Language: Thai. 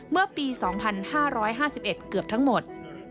เมื่อปี๒๕๕๑เกือบทั้งหมด